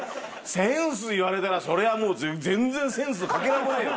センス言われたらそれはもう全然センスのかけらもねえよ